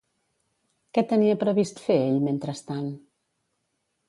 Què tenia previst fer ell mentrestant?